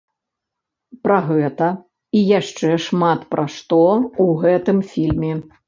Пра гэта і яшчэ шмат пра што ў гэтым фільме.